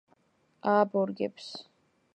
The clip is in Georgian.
ააბორგებს